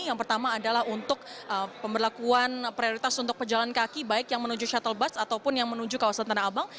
yang pertama adalah untuk pemberlakuan prioritas untuk pejalan kaki baik yang menuju shuttle bus ataupun yang menuju kawasan tanah abang